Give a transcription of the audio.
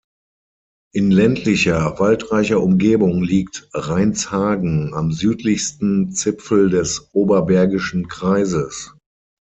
In ländlicher, waldreicher Umgebung liegt Reinshagen am südlichsten Zipfel des Oberbergischen Kreises.